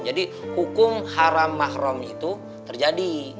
jadi hukum haram mahrum itu terjadi